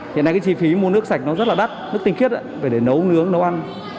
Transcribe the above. hiện nay cái chi phí mua nước sạch nó rất là đắt nước tinh khiết về để nấu nướng nấu ăn